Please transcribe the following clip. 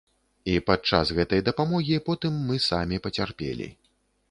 І падчас гэтай дапамогі потым мы самі пацярпелі.